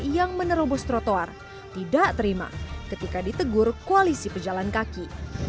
yang menerobos trotoar tidak terima ketika ditegur koalisi pejalan kaki